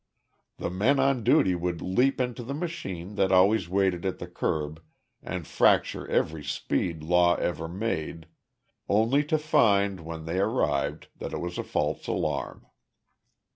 The men on duty would leap into the machine that always waited at the curb and fracture every speed law ever made only to find, when they arrived, that it was a false alarm.